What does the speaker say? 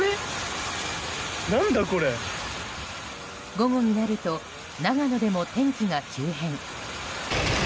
午後になると長野でも天気が急変。